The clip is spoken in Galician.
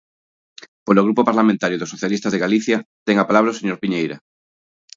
Polo Grupo Parlamentario dos Socialistas de Galicia, ten a palabra o señor Piñeira.